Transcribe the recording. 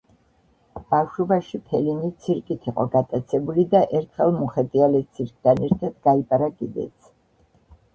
ბავშვობაში ფელინი ცირკით იყო გატაცებული და ერთხელ მოხეტიალე ცირკთან ერთად გაიპარა კიდეც.